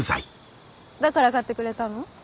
だから買ってくれたの？